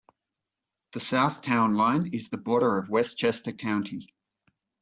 The south town line is the border of Westchester County.